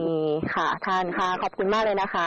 มีค่ะท่านค่ะขอบคุณมากเลยนะคะ